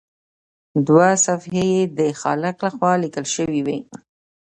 دوه صفحې یې د خالق لخوا لیکل شوي وي.